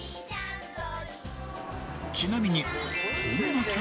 ［ちなみに］